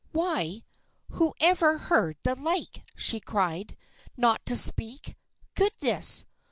"Why! whoever heard the like?" she cried. "Not to speak? Goodness!